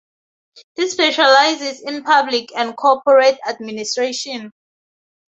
He specializes in public and corporate administration.